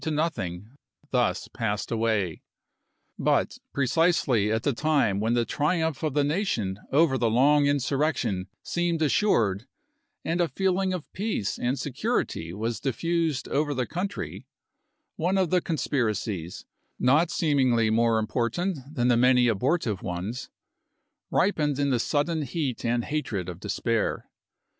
xiv nothing thus passed away; but precisely at the time when the triumph of the nation over the long insurrection seemed assured, and a feeling of peace and security was diffused over the country, one of the conspiracies, not seemingly more important than the many abortive ones, ripened in the sudden heat of hatred and despair.